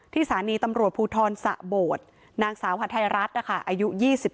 สถานีตำรวจภูทรสะโบดนางสาวหัทไทยรัฐนะคะอายุ๒๓